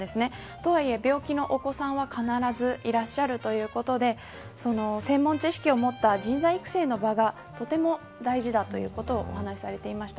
とはいえ、病気のお子さんは必ずいらっしゃるということで専門知識を持った人材育成の場がとても大事だということをお話されていました。